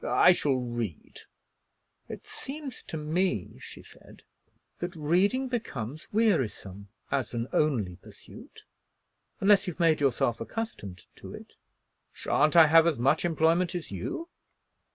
"I shall read." "It seems to me," she said, "that reading becomes wearisome as an only pursuit, unless you've made yourself accustomed to it." "Sha'n't I have as much employment as you?"